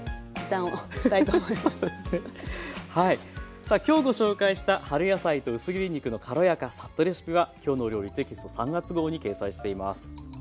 さあ今日ご紹介した春野菜と薄切り肉の軽やかサッとレシピは「きょうの料理」テキスト３月号に掲載しています。